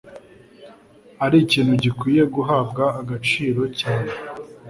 ari ikintu gikwiye guhabwa agaciro cyane